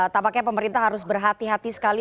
tampaknya pemerintah harus berhati hati sekali